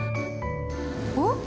おっ？